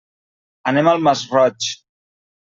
Anem al Masroig.